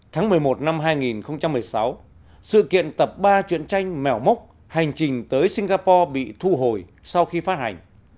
tháng một mươi một năm hai nghìn một mươi sáu sự kiện tập ba chuyện tranh mèo mốc hành trình tới singapore bị thu hồi sau khi phát hành